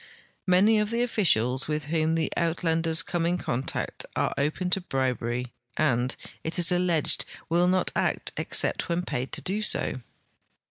Many of the officials with whom the Uitlanders come in contact are open to bribery and, it is alleged, will not act except when paid to do so.